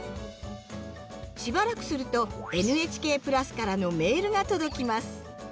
しばらくするとＮＨＫプラスからのメールが届きます。